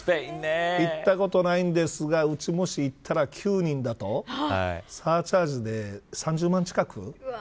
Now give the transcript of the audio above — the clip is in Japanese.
行ったことないんですがうち、もし行ったら９人だとサーチャージで３０万近く。